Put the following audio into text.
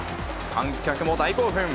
観客も大興奮。